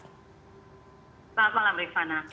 selamat malam rifana